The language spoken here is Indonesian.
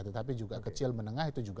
tetapi juga kecil menengah itu juga